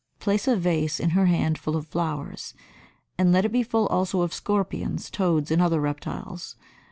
Place a vase in her hand full of flowers, and let it be full also of scorpions, toads and other reptiles.